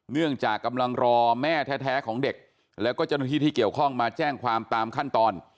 เนื่องจากกำลังรอแม่แท้ของเด็กแล้วก็เจ้าหน้าที่ที่เกี่ยวข้องมาแจ้งความตามขั้นตอน